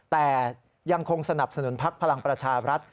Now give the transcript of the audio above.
แต่ยังคงสนับสนุนพักพลังประชาบรัฐ